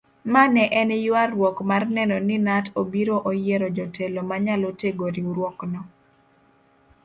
Ma ne en yuaruok mar neno ni knut obiro oyiero jotelo manyalo tego riwruokno.